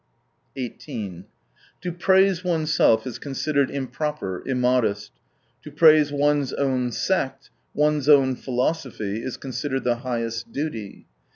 i8 To praise onesdf is considered improper, immodest ; to praise one*s own sect, one's own philosophy, is considered the highest duty.